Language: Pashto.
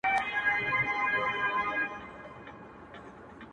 يوار يې زلفو ته ږغېږم بيا يې خال ته گډ يم_